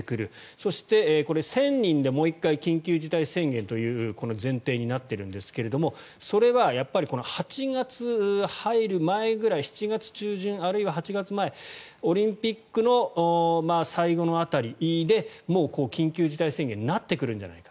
そして、１０００人でもう１回緊急事態宣言という前提になっているんですがそれは８月に入る前ぐらい７月中旬あるいは８月前オリンピックの最後の辺りでもう緊急事態宣言になってくるんじゃないか。